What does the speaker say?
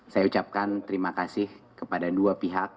saya ucapkan terima kasih kepada dua pihak